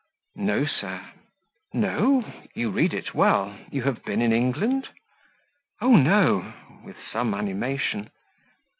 "No, sir." "No! you read it well; you have been in England?" "Oh, no!" with some animation.